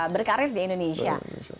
berkarir di indonesia